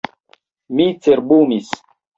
Mi cerbumis.